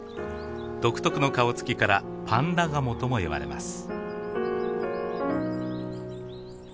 独特の顔つきから「パンダガモ」とも呼ばれます。